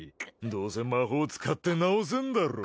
どうせ魔法使って治せんだろ